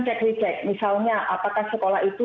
cek rejek misalnya apakah sekolah itu